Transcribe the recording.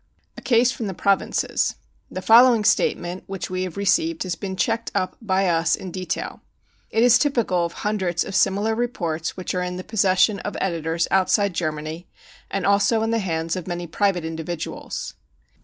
<* n A Case from, the Provinces. The following statement which we have received has been checked up by us in detail. It is typical of hundreds of similar reports which are in the possession of editors outside Germany and also in the hands of many private individuals.